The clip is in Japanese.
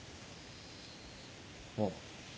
ああ。